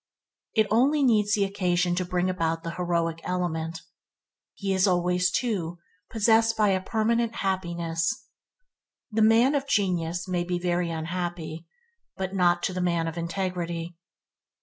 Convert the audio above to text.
It only needs the occasion to bring out the heroic element. He is always, too, possessed a permanent happiness. The man of genius may be very unhappy, but not to the man of integrity.